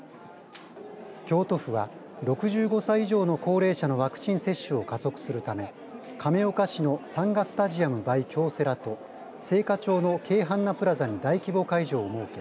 京都府は６５歳以上の高齢者のワクチン接種を加速するため亀岡市のサンガスタジアムｂｙＫＹＯＣＥＲＡと精華町の、けいはんなプラザに大規模会場を設け